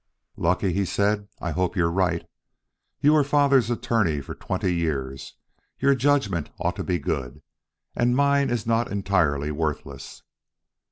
"Lucky?" he said. "I hope you're right. You were Father's attorney for twenty years your judgment ought to be good; and mine is not entirely worthless.